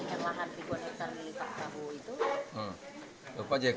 seolah untuk menyinggir kepemilikan lahan ribuan hektare milik pak prabowo itu